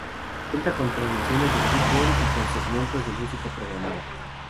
Cuenta con transmisiones de fútbol y con segmentos de música programada.